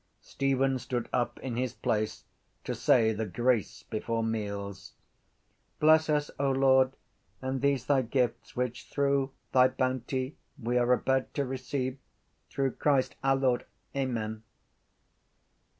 Stephen stood up in his place to say the grace before meals: _Bless us, O Lord, and these Thy gifts which through Thy bounty we are about to receive through Christ our Lord. Amen.